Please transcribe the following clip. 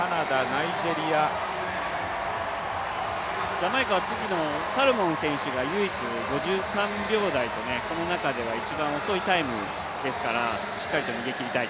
ジャマイカはサルモン選手が５３秒台とこの中では一番遅いタイムですからしっかりと逃げきりたい。